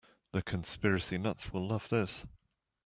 The conspiracy nuts will love this.